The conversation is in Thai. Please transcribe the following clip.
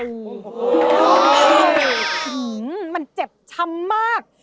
หื้อมันเจ็บช้ำมาก